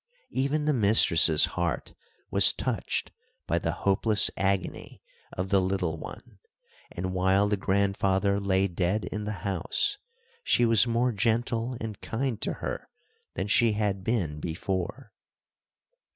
Even the mistress's heart was touched by the hopeless agony of the little one, and while the grandfather lay dead in the house, she was more gentle and kind to her than she had been before.